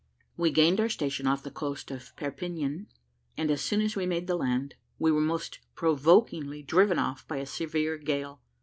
We gained our station off the coast of Perpignan; and as soon as we made the land, we were most provokingly driven off by a severe gale.